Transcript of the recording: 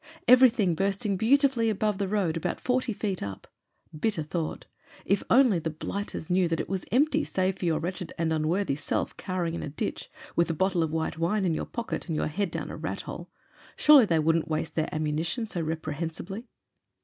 Everything bursting beautifully above the road about forty feet up. Bitter thought — if only the blighters knew that it was empty save for your wretched and unworthy self cowering in a ditch, with a bottle of white wine in your pocket and your head down a rat hole, surely they wouldn't waste their ammunition so reprehensibly